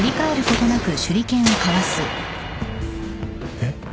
えっ？